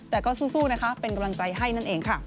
แต่ก็สู้นะคะเป็นกำลังใจให้นั่นเองค่ะ